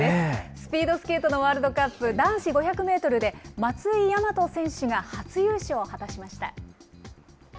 スピードスケートのワールドカップ男子５００メートルで、松井大和選手が初優勝を果たしました。